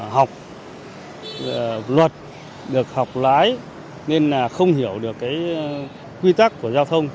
học luật được học lái nên là không hiểu được cái quy tắc của giao thông